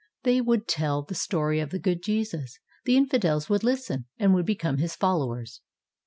They would tell the story of the good Jesus. The infidels would listen and would become his followers.